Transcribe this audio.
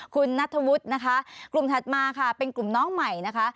คุณนัทธวุฒินะคะกลุ่มถัดมาค่ะเป็นกลุ่มน้องใหม่นะคะ